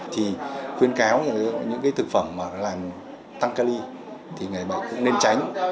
thì khuyến cáo những cái thực phẩm mà làm tăng cali thì người bệnh cũng nên tránh